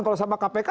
kalau sama kpk